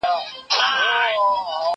مرور نصیب به هله ورپخلا سي